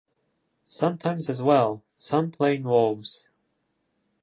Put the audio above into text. Sometimes as well, some plain wolves...